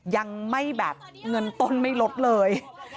ยังไม่แบบเงินต้นไม่ลดเลย